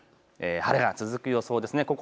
晴れが続く予想ですね。